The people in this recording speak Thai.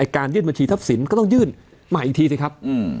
การยื่นบัญชีทรัพย์สินก็ต้องยื่นใหม่อีกทีสิครับ